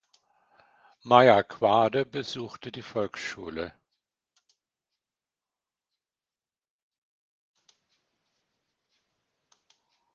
Meyer-Quade besuchte die Volksschule.